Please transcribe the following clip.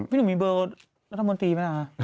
พี่หนุ่มมีเบอร์แรทมนตรีไหมคะ